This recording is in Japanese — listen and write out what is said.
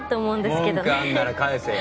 文句あんなら返せよ。